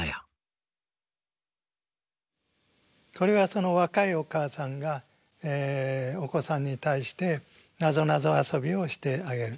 これは若いお母さんがお子さんに対してなぞなぞ遊びをしてあげる。